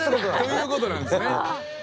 ということなんですね。